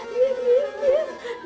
diam diam diam